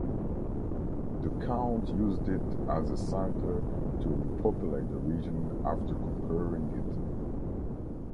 The count used it as a centre to repopulate the region after conquering it.